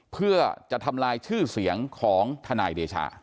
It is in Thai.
เพื่อจะทำลายชื่อเสียงของทนายเดชา